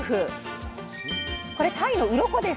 これたいのうろこです。